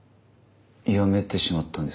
やめてしまったんですか？